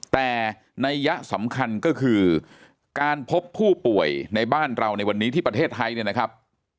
แต่นัยยะสำคัญก็คือการพบผู้ป่วยในบ้านเราในวันนี้ที่ประเทศไทยเนี่ยนะครับ